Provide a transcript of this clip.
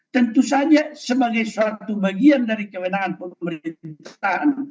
tentu saja sebagai satu bagian dari kewenangan pemerintah